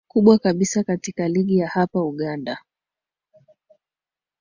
kubwa kabisa katika ligi ya hapa uganda